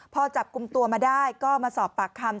พอจับกลุ่มตัวมาได้ก็มาสอบปากคำ